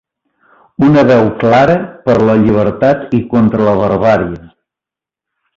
Una veu clara per la llibertat i contra la barbàrie.